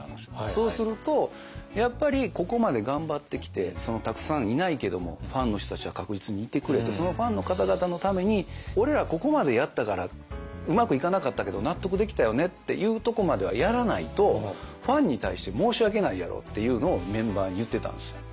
そうするとやっぱりここまで頑張ってきてたくさんいないけどもファンの人たちは確実にいてくれてそのファンの方々のために「俺らここまでやったからうまくいかなかったけど納得できたよね」っていうとこまではやらないとファンに対して申し訳ないやろっていうのをメンバーに言ってたんですよ。